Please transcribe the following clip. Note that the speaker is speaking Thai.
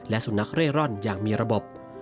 และสุนัขเร่ร่อนอย่างมีระบบ